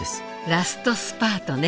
ラストスパートね。